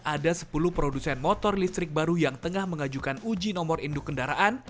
ada sepuluh produsen motor listrik baru yang tengah mengajukan uji nomor induk kendaraan